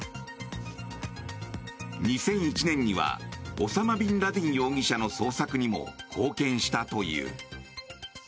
２００１年にはオサマ・ビンラディン容疑者の捜索にも貢献したという。